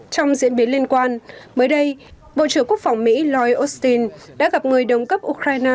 trong diễn biến liên quan mới đây bộ trưởng quốc phòng mỹ lloyd austin đã gặp người đồng cấp ukraine